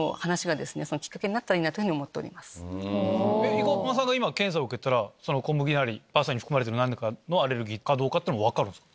生駒さんが今検査を受けたら小麦なりパスタに含まれてる何かのアレルギーって分かるんですか？